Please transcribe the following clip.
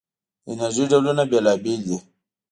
د انرژۍ ډولونه بېلابېل دي.